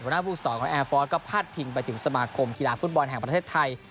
บนหน้าพลูกศรองค์และแอร์ฟอร์สก็พัดพิงไปถึงสมากรมกีฬาฟู้ดบอลแห่งประเทศไทย